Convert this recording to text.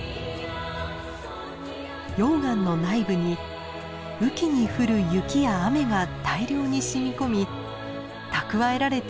溶岩の内部に雨季に降る雪や雨が大量にしみ込み蓄えられていたのです。